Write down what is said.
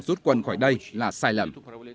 rút quân khỏi đây là sai lầm